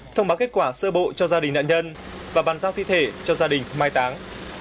thông báo kết quả sơ bộ cho gia đình nạn nhân và bàn giao thi thể cho gia đình mai táng